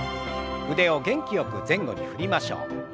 腕を元気よく前後に振りましょう。